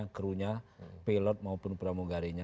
kru nya pilot maupun pramugarinya